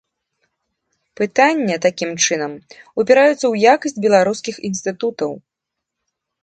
Пытанне, такім чынам, упіраецца ў якасць беларускіх інстытутаў.